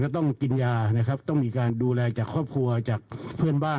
ต้องมีการดูแลจากครอบครัวจากเพื่อนบ้าน